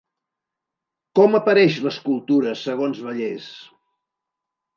Com apareix l'escultura segons Vallès?